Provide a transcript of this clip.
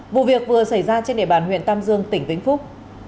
vụ việc vừa xảy ra trên địa bàn huyện tam dương tỉnh vĩnh phúc